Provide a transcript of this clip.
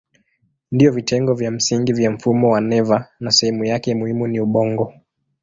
Ndiyo vitengo vya msingi vya mfumo wa neva na sehemu yake muhimu ni ubongo.